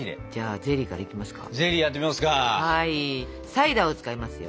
サイダーを使いますよ。